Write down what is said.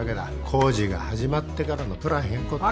工事が始まってからのプラン変更って。